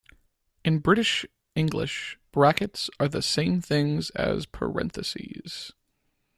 In British English, brackets are the same things as parentheses